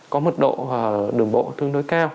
có mật độ đường bộ tương đối cao